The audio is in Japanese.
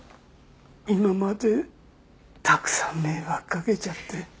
今までたくさん迷惑掛けちゃって。